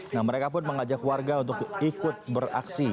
nah mereka pun mengajak warga untuk ikut beraksi